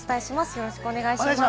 よろしくお願いします。